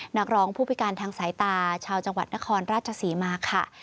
นักร้องผู้พิการทางสายตาชาวจังหวัดนครราชศรีมาค่ะ